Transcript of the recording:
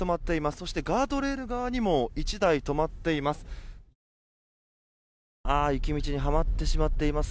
そしてガードレール側にも１台、止まっています。